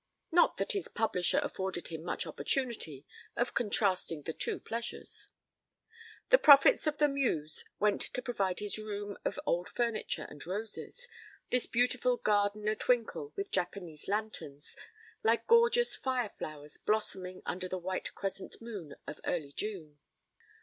Not that his publisher afforded him much opportunity of contrasting the two pleasures. The profits of the Muse went to provide this room of old furniture and roses, this beautiful garden a twinkle with Japanese lanterns, like gorgeous fire flowers blossoming under the white crescent moon of early June.